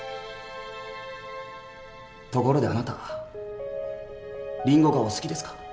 ところであなたリンゴがお好きですか？